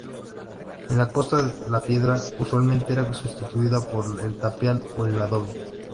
En la costa, la piedra usualmente era sustituida por el tapial o el adobe.